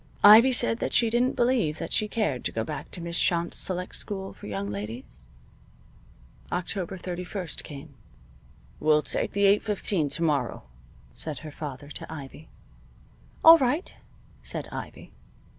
Ivy said that she didn't believe that she cared to go back to Miss Shont's select school for young ladies. October thirty first came. "We'll take the eight fifteen to morrow," said her father to Ivy. "All right," said Ivy.